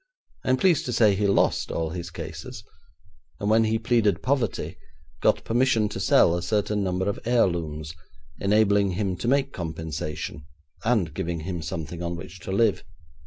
I am pleased to say he lost all his cases, and when he pleaded poverty, got permission to sell a certain number of heirlooms, enabling him to make compensation, and giving him something on which to live.